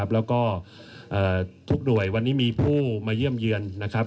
แล้วก็ทุกหน่วยวันนี้มีผู้มาเยี่ยมเยือนนะครับ